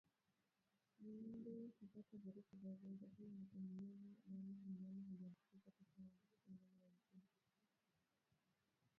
Mbu hupata virusi vya ugonjwa huu anapomnyonya damu mnyama aliyeambukizwa Kisha humwambukiza mnyama mzima